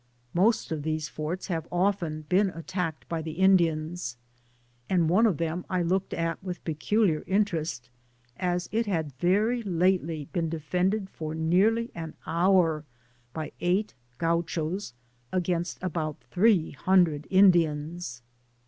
Most of these forts have often been attacked by the Indians; and one of them I looked at with peculiar interest, as it had very lately been defended for nearly an hour by eight Gauchos against about three hundred Indians.